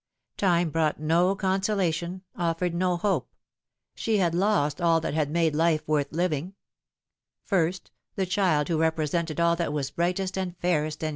Time brought no consolation, offered no hope. She had lost all that had made life worth living. First, the child who represented all that was brightest and fairest and 208 The Fatal Thret.